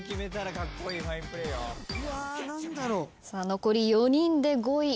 残り４人で５位。